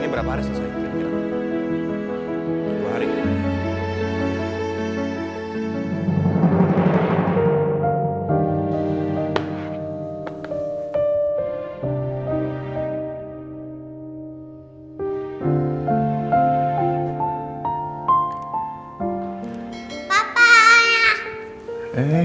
ini berapa hari selesai